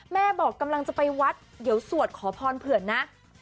แม่บอกกำลังจะไปวัดเดี๋ยวสวดขอพรเผื่อนนะ